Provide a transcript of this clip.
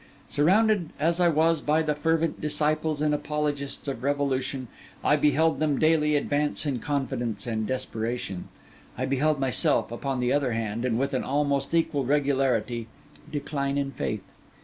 Surrounded as I was by the fervent disciples and apologists of revolution, I beheld them daily advance in confidence and desperation; I beheld myself, upon the other hand, and with an almost equal regularity, decline in faith.